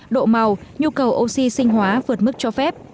độ màu nhu cầu oxy sinh hóa vượt mức cho phép